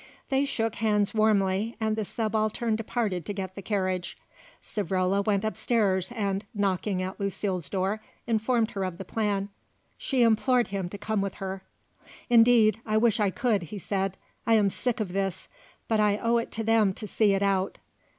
They shook hands warmly, and the Subaltern departed to get the carriage. Savrola went up stairs and, knocking at Lucile's door, informed her of the plan. She implored him to come with her. "Indeed I wish I could," he said; "I am sick of this; but I owe it to them to see it out.